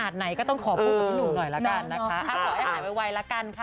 แต่ก็ยังอีเหรอ